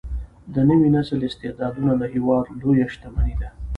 د نوي نسل استعدادونه د هیواد لویه شتمني ده.